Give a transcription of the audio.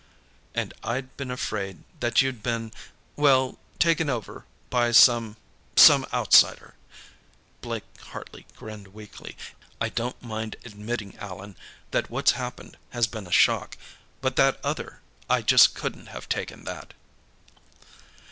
"And I'd been afraid that you'd been, well, taken over by some ... some outsider." Blake Hartley grinned weakly. "I don't mind admitting, Allan, that what's happened has been a shock. But that other ... I just couldn't have taken that."